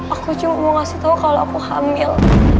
aku cuma mau ngasih tau kalau aku hamil